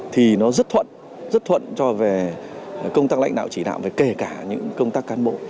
thì nó rất thuận rất thuận cho về công tác lãnh đạo chỉ đạo về kể cả những công tác cán bộ